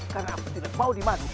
karena aku tidak mau dimanjur